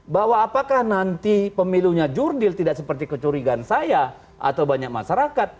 bahwa apakah nanti pemilunya jurdil tidak seperti kecurigaan saya atau banyak masyarakat